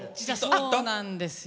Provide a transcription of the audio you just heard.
そうなんですよ。